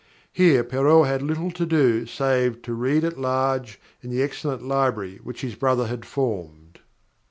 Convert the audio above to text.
Here Perrault had little to do save to read at large in the excellent library which his brother had formed.